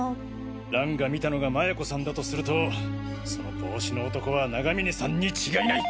蘭が見たのが麻也子さんだとするとその帽子の男は永峰さんに違いない。